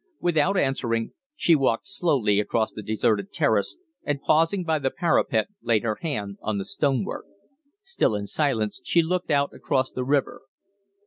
Without answering, she walked slowly across the deserted Terrace and, pausing by the parapet, laid her hand on the stonework. Still in silence she looked out across the river.